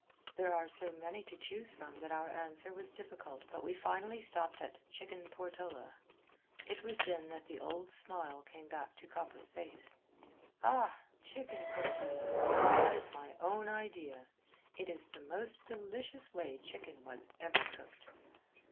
There are so many to choose from that our answer was difficult but we finally stopped at "Chicken Portola." It was then that the old smile came back to Coppa's face. "Ah! Chicken Portola. That is my own idea. It is the most delicious way chicken was ever cooked."